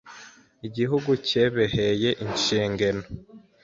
Igihugu cyebeheye inshingeno